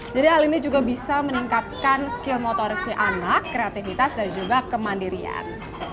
jadi hal ini juga bisa meningkatkan skill motorisi anak kreativitas dan juga kemandirian